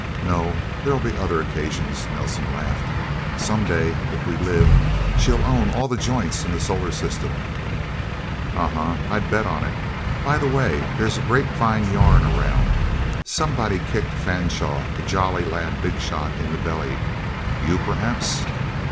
"No. There'll be other occasions," Nelsen laughed. "Someday, if we live, she'll own all the joints in the solar system." "Uh huh I'd bet on it... By the way, there's a grapevine yarn around. Somebody kicked Fanshaw the Jolly Lad big shot in the belly. You, perhaps?"